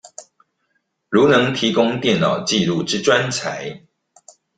如能提供電腦紀錄之專才